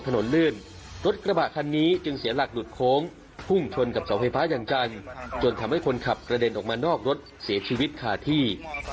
ลื่นรถกระบะคันนี้จึงเสียหลักหลุดโค้งพุ่งชนกับเสาไฟฟ้าอย่างจังจนทำให้คนขับกระเด็นออกมานอกรถเสียชีวิตขาดที่